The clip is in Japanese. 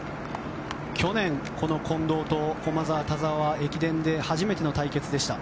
去年、この近藤と駒澤、田澤は駅伝で初めての対決でした。